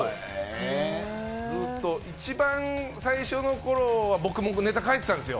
ずっと一番最初のころは僕もネタ書いてたんですよ。